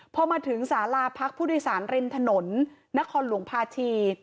พอมาถึงศาลาภักร์ผู้โดยสารเรนถนนนครหลวงภาธี